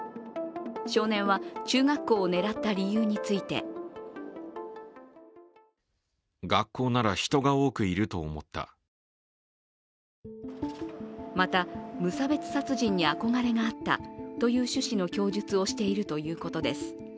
少年は中学校を狙った理由についてまた、無差別殺人に憧れがあったという趣旨の供述をしているということです。